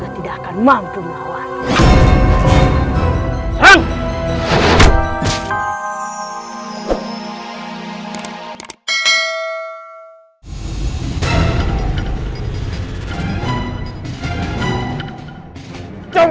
tidak akan mampu melawan hal hal